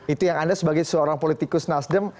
itu yang anda sebagai seorang politikus nasdem